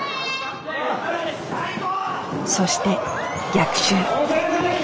そして逆襲。